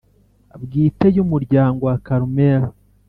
bwite y Umuryango wa Carmel